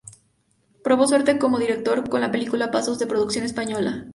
Probó suerte como director, con la película "Pasos", de producción española.